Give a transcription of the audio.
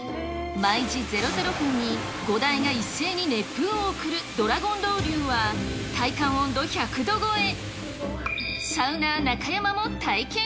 毎時００分に５台が一斉に熱風を送るドラゴンロウリュは、体感温度１００度超え。